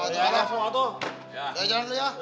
jangan jangan tuh ya